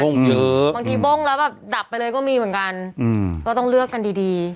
เยอะบางทีบ้งแล้วแบบดับไปเลยก็มีเหมือนกันอืมก็ต้องเลือกกันดีดี